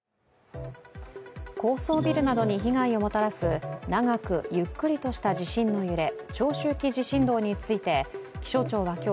高層ビルなどに被害をもたらす、長くゆっくりとした地震の揺れ長周期地震動について気象庁は今日、